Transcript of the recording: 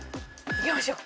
いきましょう。